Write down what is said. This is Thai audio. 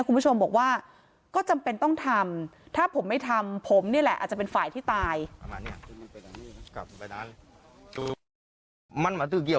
คุณผู้ชมบอกว่าก็จำเป็นต้องทำถ้าผมไม่ทำผมนี่แหละอาจจะเป็นฝ่ายที่ตาย